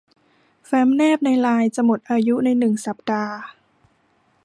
แฟ้มแนบในไลน์จะหมดอายุในหนึ่งสัปดาห์